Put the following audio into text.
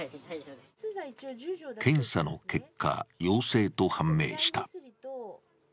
検査の結果、陽性と判明した。